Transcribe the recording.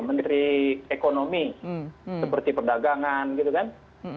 menteri ekonomi seperti perdagangan gitu kan